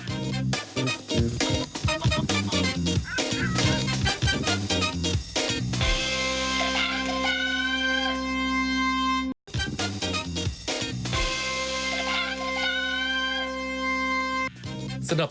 สำหรับสาวทัพโคจร